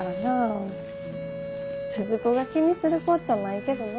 鈴子が気にするこっちゃないけどな。